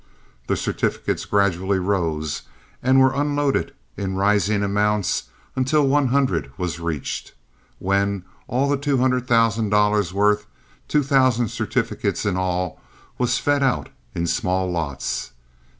The certificates gradually rose and were unloaded in rising amounts until one hundred was reached, when all the two hundred thousand dollars' worth—two thousand certificates in all—was fed out in small lots.